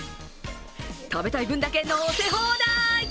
食べたい分だけ乗せ放題！